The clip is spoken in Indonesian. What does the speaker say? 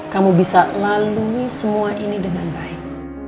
kamu bisa lalui semua ini dengan baik